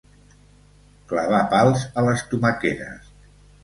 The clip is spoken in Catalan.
Clavar pals a les tomaqueres.